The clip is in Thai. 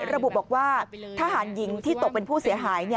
ระบุบอกว่าทหารหญิงที่ตกเป็นผู้เสียหาย